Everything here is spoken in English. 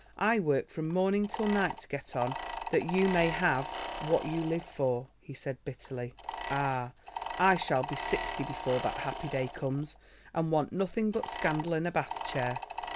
I work from morning till night to get on, that you may have—what you live for," he said bitterly. "Ah, I shall be sixty before that happy day comes, and want nothing but scandal and a bath chair.